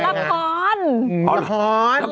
ออนแอ้มเมื่อไหร่เนี่ย